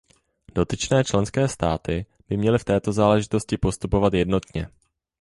Dotyčné členské státy by měly v této záležitosti postupovat jednotně.